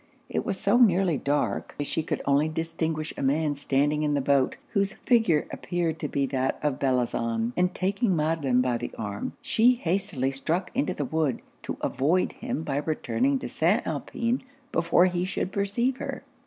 It was so nearly dark that she could only distinguish a man standing in the boat, whose figure appeared to be that of Bellozane; and taking Madelon by the arm, she hastily struck into the wood, to avoid him by returning to St. Alpin before he should perceive her.